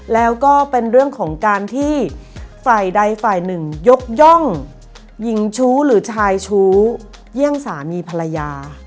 แล้วก็เป็นเรื่องของการที่ฝ่ายใดฝ่ายหนึ่งยกย่องหญิงชู้หรือชายชู้เยี่ยงสามีภรรยา